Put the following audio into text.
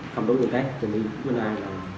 không đối tượng cách